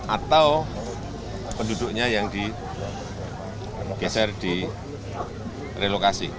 atau penduduknya yang digeser di relokasi